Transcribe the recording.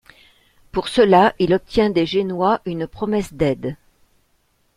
Pour cela, il obtient des Génois une promesse d'aide.